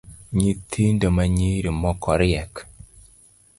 Nyithindo manyiri moko riek